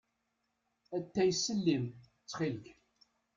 Atay s llim, ttxil-k.